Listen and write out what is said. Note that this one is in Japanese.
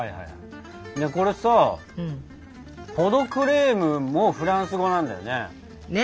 これさポ・ド・クレームもフランス語なんだよね？